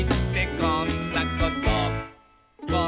「こんなこと」